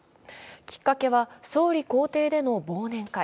きっかけは、総理公邸での忘年会。